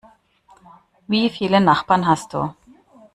Wie viele Nachbarn hast du?